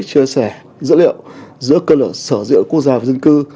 chia sẻ dữ liệu giữa cơ sở dịch vụ quốc gia và dân cư